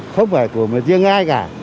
không phải của một riêng ai cả